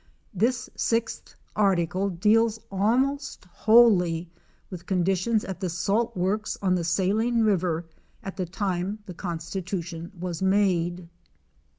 This 6th article deals almost wholly with conditions at the salt works on the Saline river at the time the con stitution was made.